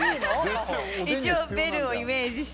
一応ベルをイメージして。